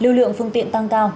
lưu lượng phương tiện tăng cao